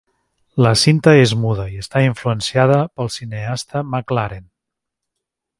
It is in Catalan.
La cinta és muda i està influenciada pel cineasta McLaren.